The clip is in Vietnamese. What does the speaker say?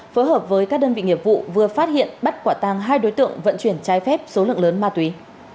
phối hợp với các đơn vị nghiệp vụ vừa phát hiện bắt quả tàng hai đối tượng vận chuyển trái phép số lượng lớn ma túy